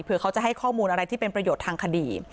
เพื่อเขาจะให้ข้อมูลอะไรที่เป็นประโยชน์ทางคดี